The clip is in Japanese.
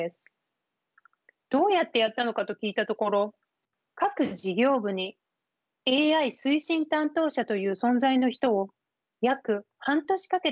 どうやってやったのかと聞いたところ各事業部に「ＡＩ推進担当者」という存在の人を約半年かけて育て上げ